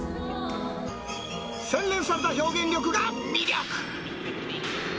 洗練された表現力が魅力。